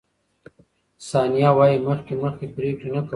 ثانیه وايي، مخکې مخکې پرېکړې نه کولې.